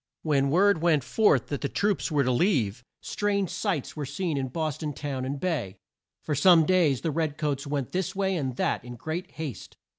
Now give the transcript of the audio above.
When the word went forth that the troops were to leave, strange sights were seen in Bos ton town and bay. For some days the red coats went this way and that in great haste.